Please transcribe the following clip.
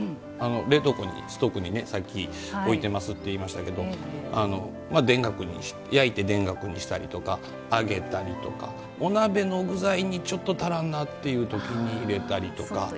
冷凍庫にストックさっき置いてますって言いましたけど焼いて田楽にしたりとか揚げたりとか、お鍋の具材にちょっと足らんなっていう時に入れたりとか。